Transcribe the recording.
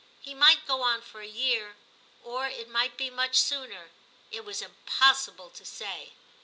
He might go on for a year, or it might be much sooner; it was impossible to say.